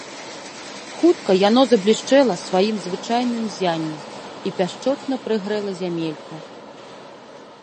Хутка яно заблішчэла сваім звычайным ззяннем і пяшчотна прыгрэла зямельку.